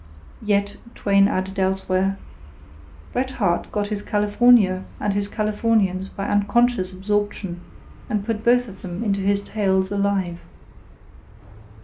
Yet, Twain added elsewhere, "Bret Harte got his California and his Californians by unconscious absorption, and put both of them into his tales alive."